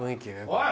おい。